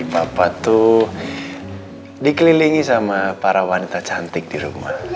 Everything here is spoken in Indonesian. papa tuh dikelilingi sama para wanita cantik dirumah